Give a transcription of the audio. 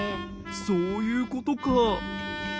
そういうことか。